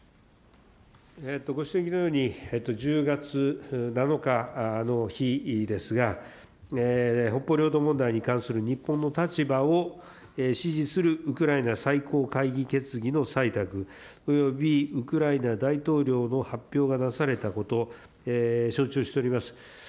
ご指摘のように、１０月７日の日ですが、北方領土問題に関する日本の立場を支持するウクライナ最高会議決議の採択及びウクライナ大統領の発表がなされたこと、承知をしております。